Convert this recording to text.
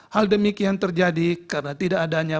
hal demikian terjadi karena tidak adanya